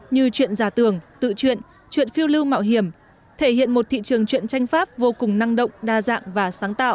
như chuyện giả tưởng tự chuyện chuyện phiêu lưu mạo hiểm thể hiện một thị trường chuyện tranh pháp vô cùng năng động đa dạng và sáng tạo